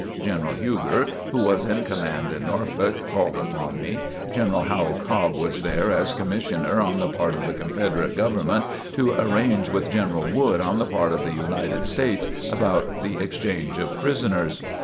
General Huger, who was in command in Norfolk, called upon me. General Howell Cobb was there as Commissioner on the part of the Confederate Government to arrange with General Wood on the part of the United States, about the exchange of prisoners.